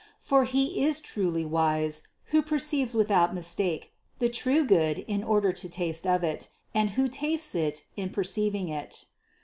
For he is truly wise, who perceives without mistake the true good in order to taste of it, and who tastes it in perceiving it.